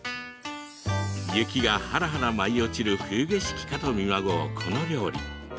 雪がはらはらと舞い落ちる冬景色かと見まごうこの料理。